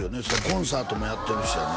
コンサートもやってるしやね